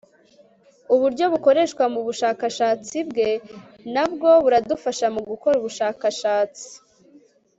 Uburyo bukoreshwa mubushakashatsi bwe nabwo buradufasha mugukora ubushakashatsi